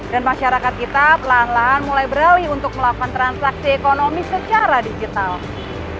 dan masyarakat kita pelan pelan mulai beralih untuk melakukan transaksi ekonomi secara digital